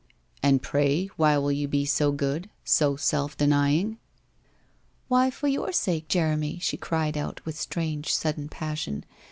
' And pray why will you be so good, so self denying ?'' Why, for your sake, Jeremy,' she cried out, with strange sudden passion.